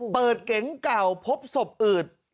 เก๋งเก่าพบศพอืด